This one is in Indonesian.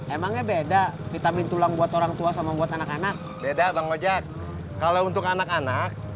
emangnya beda vitamin tulang buat orang tua sama buat anak anak beda bang ojek kalau untuk anak anak